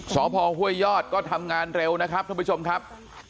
สพห้วยยอดก็ทำงานเร็วนะครับท่านผู้ชมครับ